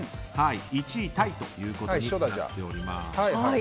１位タイということになります。